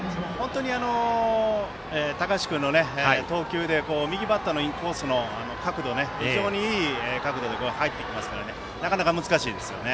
高橋君の投球で右バッターのインコースの角度が非常にいい角度で入りますからなかなか難しいですね。